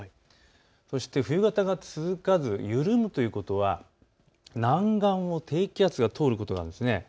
そして冬型が続かず緩むということは南岸を低気圧が通ることがあるんです。